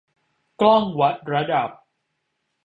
กล้องวัดระดับ